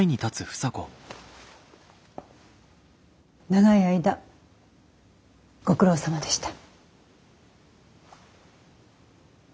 長い間ご苦労さまでした。